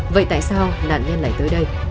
vậy tại sao nạn nhân lại tới đây